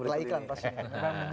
setelah iklan pastinya